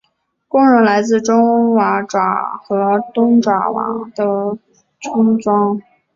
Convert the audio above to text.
工人来自中爪哇和东爪哇的村庄。